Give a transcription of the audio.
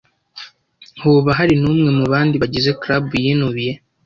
Hoba hari n'umwe mubandi bagize club yinubiye ?